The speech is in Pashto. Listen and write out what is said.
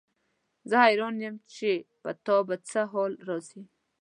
زه حیران یم چې په تا به څه حال راځي.